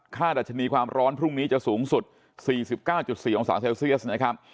ดัชนีความร้อนพรุ่งนี้จะสูงสุด๔๙๔องศาเซลเซียสนะครับ